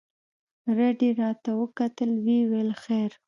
رډ يې راته وکتل ويې ويل خير.